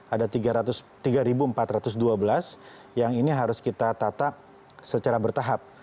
ada tiga empat ratus dua belas yang ini harus kita tata secara bertahap